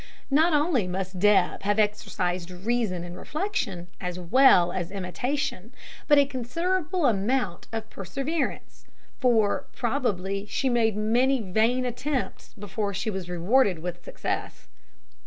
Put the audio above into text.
Not only must Deb have exercised reason and reflection, as well as imitation, but a considerable amount of perseverance; for probably she made many vain attempts before she was rewarded with success.